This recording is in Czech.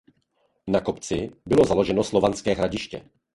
Na kopci bylo založeno slovanské hradiště.